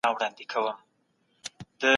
د خلګو په مالونو باندې خيانت مه کوئ.